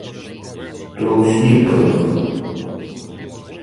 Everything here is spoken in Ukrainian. То у сні, певно.